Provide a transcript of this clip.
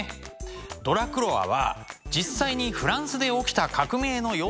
ドラクロワは実際にフランスで起きた革命の様子を描いています。